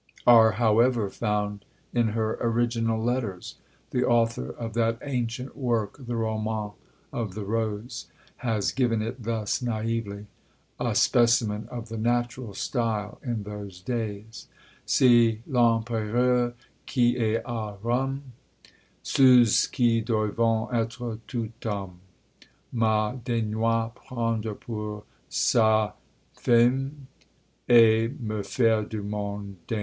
are, however, found in her original letters. The author of that ancient work, "The Romaunt of the Rose," has given it thus naïvely; a specimen of the natural style in those days: Si l'empereur, qui est a Rome, Souhz qui doyvent etre tout homme, Me daignoit prendre pour sa femme, Et me faire du monde dame!